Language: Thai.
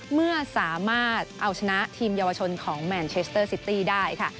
เมื่อสามารถเอาชนะทีมเยาวชนของแมนเชสเตอร์ซิตี้ได้ค่ะ